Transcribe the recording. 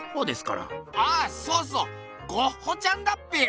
ああそうそうゴッホちゃんだっぺよ。